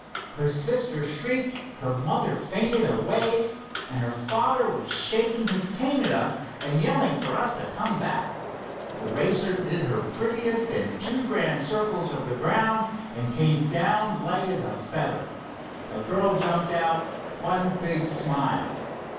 Her sister shrieked, her mother fainted away, and her father was shaking his cane at us and yelling for us to come back. The Racer did her prettiest in two grand circles of the grounds, and came down light as a feather. The girl jumped out, one big smile.